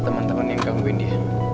temen temen yang gangguin dia